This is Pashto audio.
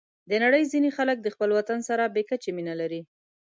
د نړۍ ځینې خلک د خپل وطن سره بې کچې مینه لري.